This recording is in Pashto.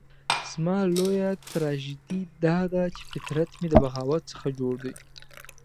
زما لويه تراژیدي داده چې فطرت مې د بغاوت څخه جوړ دی.